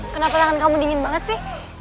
kenapa tangan kamu dingin banget sih